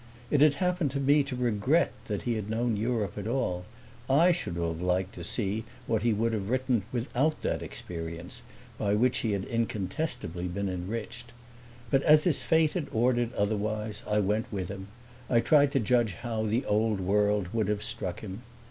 It had happened to me to regret that he had known Europe at all; I should have liked to see what he would have written without that experience, by which he had incontestably been enriched. But as his fate had ordered otherwise I went with him I tried to judge how the Old World would have struck him.